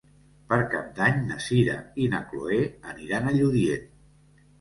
Per Cap d'Any na Sira i na Chloé aniran a Lludient.